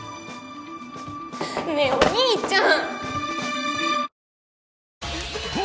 ねえお兄ちゃん！